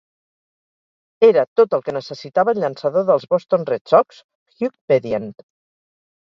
Era tot el que necessitava el llançador dels Boston Red Sox, Hugh Bedient.